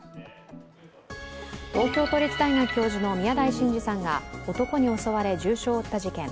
東京都立大学教授の宮台真司さんが男に襲われ重傷を負った事件。